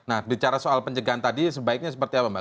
nah bicara soal pencegahan tadi sebaiknya seperti apa mbak